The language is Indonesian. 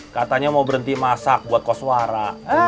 katanya mau berhenti masak buat koswara